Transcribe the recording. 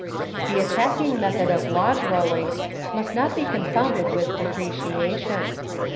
The attacking method of log rolling must not be confounded with depreciation.